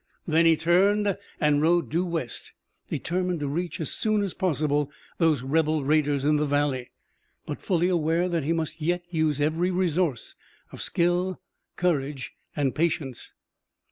Then he turned and rode due west, determined to reach as soon as possible those "rebel raiders" in the valley, but fully aware that he must yet use every resource of skill, courage and patience.